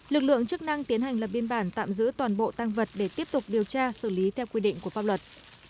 lực lượng chức năng tiến hành lập biên bản tạm giữ toàn bộ tăng vật để tiếp tục điều tra xử lý theo quy định của pháp luật